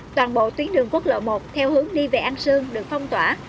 toàn bộ tuyến đường quốc lộ một theo hướng đi về an sương được phong tỏa